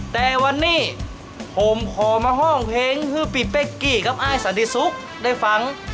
แต่วันนี้ผมขอมาห้องเพลงคือพี่เป๊กกี้กับอ้ายสันติสุขได้ฟัง